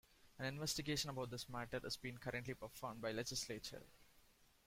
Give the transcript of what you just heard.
An investigation about this matter is being currently performed by legislature.